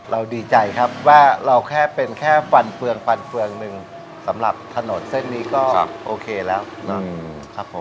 ดีใจครับว่าเราแค่เป็นแค่ฟันเฟืองฟันเฟืองหนึ่งสำหรับถนนเส้นนี้ก็โอเคแล้วครับผม